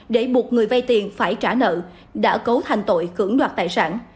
để buộc người vay tiền phải trả nợ đã cấu thành tội cưỡng đoạt tài sản